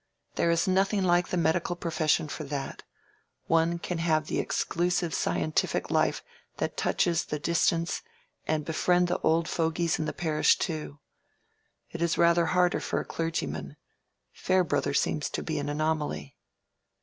There is nothing like the medical profession for that: one can have the exclusive scientific life that touches the distance and befriend the old fogies in the parish too. It is rather harder for a clergyman: Farebrother seems to be an anomaly."